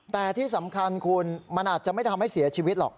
แต่ที่สำคัญคุณมันอาจจะไม่ทำให้เสียชีวิตหรอก